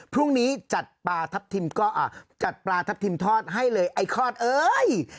พรุ่งนี้จัดปลาทับทิมทอดให้เลยไอ้ข้อดเอ้ย